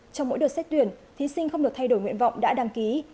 trong mỗi đợt xét tuyển thí sinh không được thay đổi nguyện vọng đã đăng ký